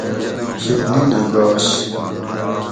یہ نِنہ گاش